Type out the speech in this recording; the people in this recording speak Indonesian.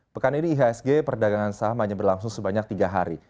pekan ini ihsg perdagangan saham hanya berlangsung sebanyak tiga hari